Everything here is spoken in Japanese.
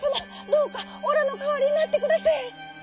どうかおらのかわりになってくだせい」。